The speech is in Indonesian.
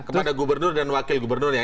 kepada gubernur dan wakil gubernur ya